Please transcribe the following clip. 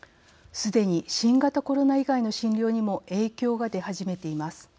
すでに新型コロナ以外の診療にも影響が出始めています。